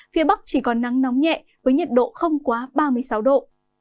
phía bắc chỉ còn nắng nóng nhẹ với nhiệt độ không quá ba mươi sáu độ